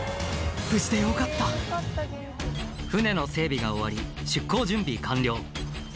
無事でよかった船の整備が終わり出港準備完了